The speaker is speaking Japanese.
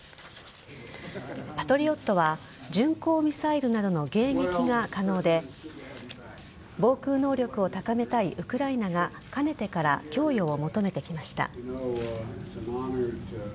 パトリオットは巡航ミサイルなどの迎撃が可能で防空能力を高めたいウクライナがかねてから供与を求めていました。